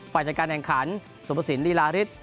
ฝ่ายจัดการแข่งขันสุภสินลีลาริส